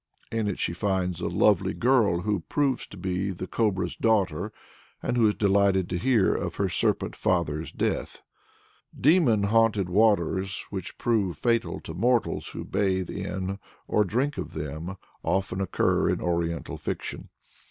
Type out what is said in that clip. In it she finds a lovely girl who proves to be the Cobra's daughter and who is delighted to hear of her serpent father's death. Demon haunted waters, which prove fatal to mortals who bathe in or drink of them, often occur in oriental fiction.